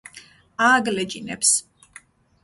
ააგლეჯინებს